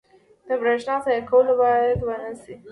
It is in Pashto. • د برېښنا ضایع کول باید ونه شي.